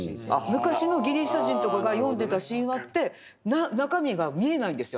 昔のギリシャ人とかが読んでた神話って中身が見えないんですよ